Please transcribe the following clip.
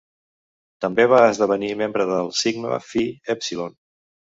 També va esdevenir membre de Sigma Phi Epsilon.